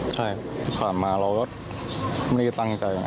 ใช่ถึงผ่านมาเราไม่ได้ตั้งใจเลยนะ